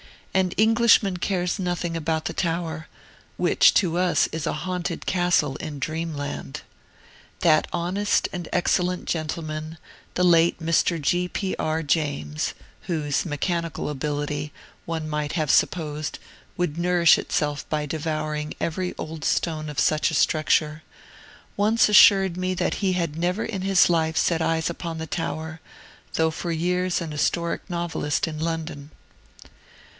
An Englishman cares nothing about the Tower, which to us is a haunted castle in dreamland. That honest and excellent gentleman, the late Mr. G. P. R. James (whose mechanical ability, one might have supposed, would nourish itself by devouring every old stone of such a structure), once assured me that he had never in his life set eyes upon the Tower, though for years an historic novelist in London.